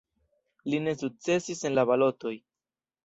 Li ne sukcesis en la balotoj.